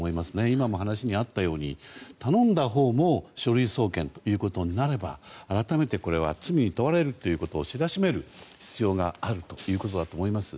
今も話にあったように頼んだほうも書類送検ということになれば改めて罪に問われるということを知らしめる必要があるということだと思います。